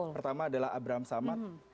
pertama adalah abraham samad